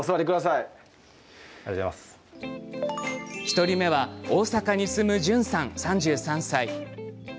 １人目は大阪に住むじゅんさん、３３歳。